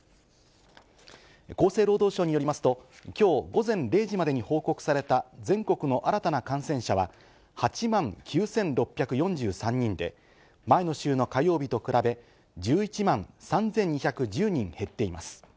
厚生労働省によりますと、きょう午前０時までに報告された全国の新たな感染者は８万９６４３人で、前の週の火曜日と比べ、１１万３２１０人減っています。